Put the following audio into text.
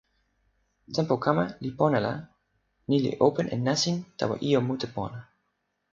tenpo kama li pona la ni li open e nasin tawa ijo mute pona.